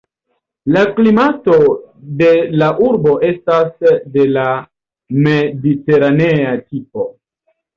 La klimato de la urbo estas de la mediteranea tipo.